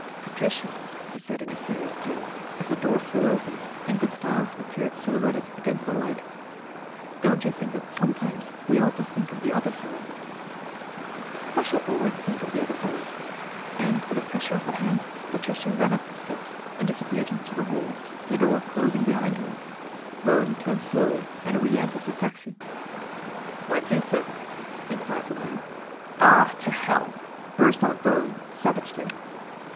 " Patricia," he said in a serious tone, as the door flew open and Gustave appeared silhouetted against the light, " don't you think that sometimes we ought to think of the other fellow ?"" I shall always think of the other fellow," and with a pressure of the hand, Patricia ran up the steps and disappeared into the hall, the door closing behind her. Bowen turned slowly and re entered the taxi. 1 Where to, sir ?" enquired the man. " Oh, to hell 1 " burst out Bowen savagely.